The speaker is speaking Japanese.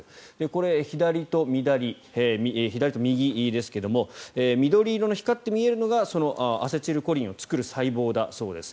これ、左と右ですが緑色の光って見えるのがそのアセチルコリンを作る細胞だそうです。